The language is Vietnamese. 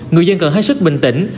người dân cần hết sức bình tĩnh